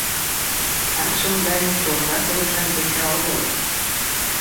Такшым Даник торжа койышан йоча огыл.